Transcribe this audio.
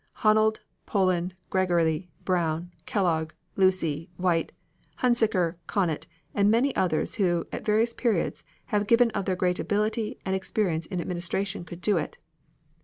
"Honold, Poland, Gregory, Brown, Kellogg, Lucey, White, Hunsiker, Connet, and many others who, at various periods, have given of their great ability and experience in administration could do it."